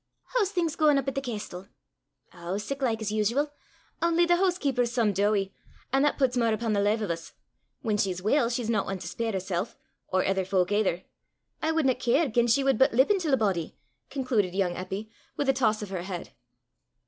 "Hoo's things gaein' up at the castel?" "Ow, siclike 's usual only the hoosekeeper's some dowy, an' that puts mair upo' the lave o' 's: whan she's weel, she's no ane to spare hersel' or ither fowk aither! I wadna care, gien she wud but lippen til a body!" concluded young Eppy, with a toss of her head.